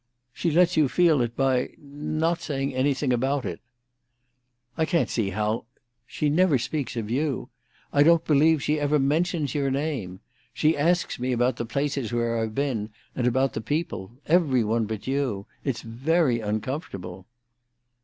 "She lets you feel it by—not saying anything about it." "I can't see how—" "She never speaks of you. I don't believe she ever mentions your name. She asks me about the places where I've been, and about the people—every one but you. It's very uncomfortable."